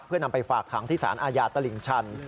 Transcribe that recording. เพื่อนำไปฝากขังที่สารอาญาตลิ่งชัน